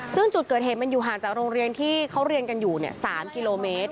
ซึ่งจุดเกิดเหตุมันอยู่ห่างจากโรงเรียนที่เขาเรียนกันอยู่๓กิโลเมตร